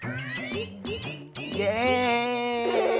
イエイ！